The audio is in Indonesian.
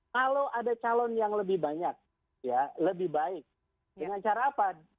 kalau ada calon yang lebih banyak ya lebih baik dengan cara apa